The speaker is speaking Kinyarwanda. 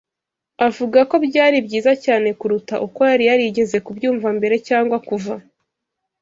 avuga ko byari byiza cyane kuruta uko yari yarigeze kubyumva mbere cyangwa kuva